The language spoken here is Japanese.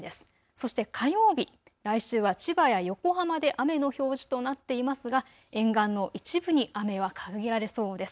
そして火曜日、来週は千葉や横浜で雨の表示となっていますが沿岸の一部に雨は限られそうです。